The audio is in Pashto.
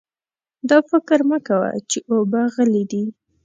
دا فکر مه کوه چې اوبه غلې دي.